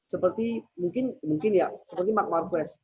seperti mungkin ya seperti magmar quest